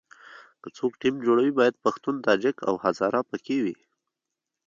که څوک ټیم جوړوي باید پښتون، تاجک او هزاره په کې وي.